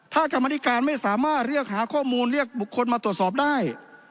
ถ้ากรรมนิการไม่สามารถเรียกหาข้อมูลเรียกบุคคลมาตรวจสอบได้